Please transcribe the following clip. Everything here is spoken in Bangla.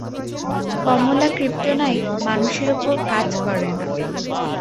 কমলা ক্রিপ্টোনাইট মানুষের ওপর কাজ করে না।